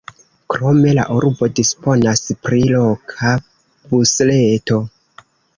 Krome la urbo disponas pri loka busreto.